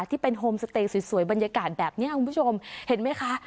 โฮมสเตย์สวยบรรยากาศแบบนี้คุณผู้ชมเห็นไหมคะ